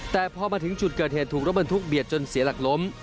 แต่พอมาถึงจุดเกิดเหตุถูกรถบรรทุกเบียดจนเสียหลักล้ม